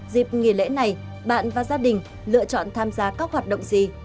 dịp nghỉ lễ này bạn và gia đình lựa chọn tham gia các hoạt động gì